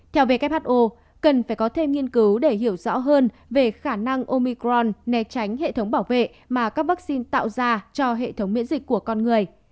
theo who cần phải có thêm nghiên cứu để hiểu rõ hơn về khả năng omicron né tránh hệ thống bảo vệ mà các vaccine tạo ra cho hệ thống miễn dịch của con người